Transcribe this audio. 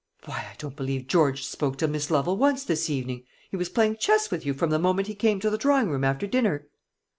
"Why, I don't believe George spoke to Miss Lovel once this evening; he was playing chess with you from the moment he came to the drawing room after dinner."